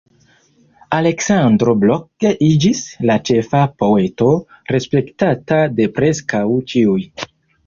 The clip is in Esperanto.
Aleksandro Blok iĝis la ĉefa poeto, respektata de preskaŭ ĉiuj.